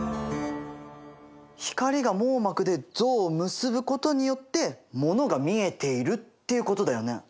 光が網膜で像を結ぶことによってものが見えているっていうことだよね。